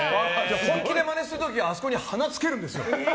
本気でマネする時はあそこに鼻をつけるんですよ。